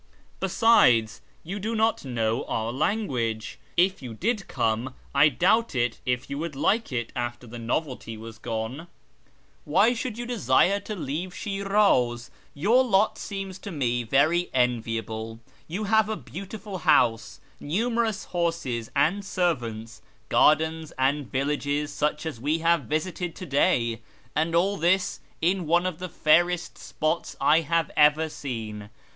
Besides, you do not know our language. If you did come, I doubt if you would like it after the novelty was gone. Why SHIrAZ 277 should you desire to leave Shi'rdz ? Your lot seems to me very enviable : you have a beautiful house, numerous horses and servants, gardens and villages such as we have visited to day, and all this in one of the fairest spots I have ever seen.